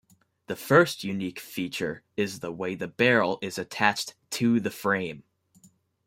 The first unique feature is the way the barrel is attached to the frame.